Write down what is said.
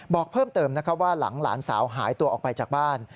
บอกเพิ่มเติมว่าหลังหลานสาวหายตัวออกไปจากบ้าน